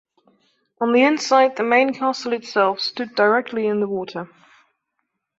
On the inside the main castle itself stood directly in the water.